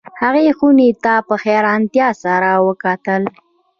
هغې خونې ته په حیرانتیا سره وکتل